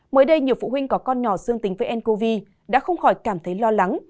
mới đây nhiều phụ huynh có con nhỏ dương tính với ncov đã không khỏi cảm thấy lo lắng